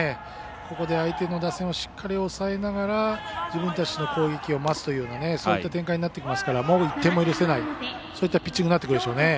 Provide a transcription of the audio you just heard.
ここで相手の打線をしっかり抑えながら自分たちの攻撃を待つというようなそういった展開になってきますのでもう１点も許せないそういったピッチングになってくるでしょうね。